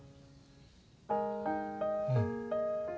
うん